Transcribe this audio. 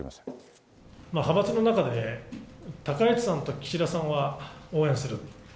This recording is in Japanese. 派閥の中で、高市さんと岸田さんは応援する。